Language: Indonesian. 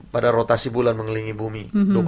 pada rotasi bulan mengelilingi bumi